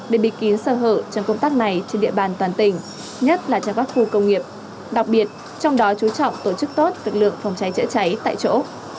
để bịt kín sơ hở trong công tác này trên địa bàn toàn tỉnh nhất là trong các khu công nghiệp đặc biệt trong đó chú trọng tổ chức tốt lực lượng phòng cháy chữa cháy tại chỗ